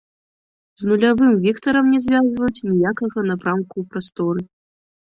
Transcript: З нулявым вектарам не звязваюць ніякага напрамку ў прасторы.